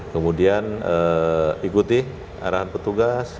kemudian ikuti arahan petugas